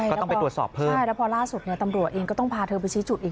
ก็ต้องไปตรวจสอบเพิ่มใช่แล้วพอล่าสุดเนี่ยตำรวจเองก็ต้องพาเธอไปชี้จุดอีก